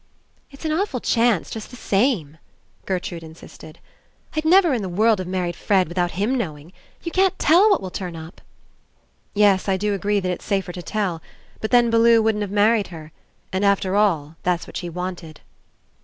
"It's an awful chance, just the same," Gertrude Insisted. "I'd never In the world have married Fred without him knowing. You can't tell what will turn up." "Yes, I do agree that It's safer to tell. But then Bellew wouldn't have married her. And, after all, that's what she wanted."